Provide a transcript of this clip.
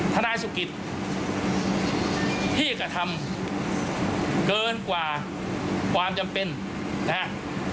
นายสุกิตที่กระทำเกินกว่าความจำเป็นนะฮะ